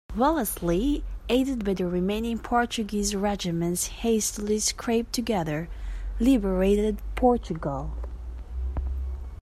Wellesley, aided by the remaining Portuguese regiments hastily scraped together, liberated Portugal.